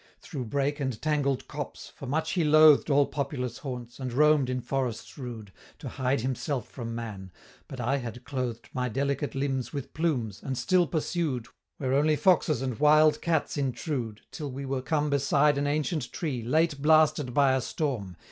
"Through brake and tangled copse, for much he loathed All populous haunts, and roam'd in forests rude, To hide himself from man. But I had clothed My delicate limbs with plumes, and still pursued, Where only foxes and wild cats intrude, Till we were come beside an ancient tree Late blasted by a storm.